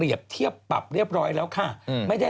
รอดูดราม่าไม่ใช่